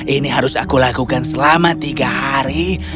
ini harus aku lakukan selama tiga hari